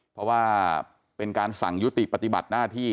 เพราะว่าเป็นการสั่งยุติปฏิบัติหน้าที่